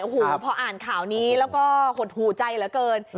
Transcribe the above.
โอ้โหพออ่านข่าวนี้แล้วก็หดหูใจเหลือเกิน